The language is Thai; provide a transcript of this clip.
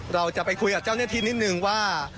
เราจะไปคุยกับเจ้าหน้าที่นิดนึงว่า